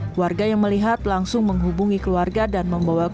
keluarga yang melihat langsung menghubungi keluarga dan membawa korban ke rumah sakit